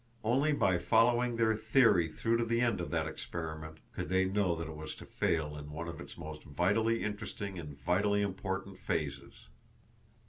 Only by following their theory through to the end of that experiment could they know that it was to fail in one of its most vitally interesting and vitally important phases.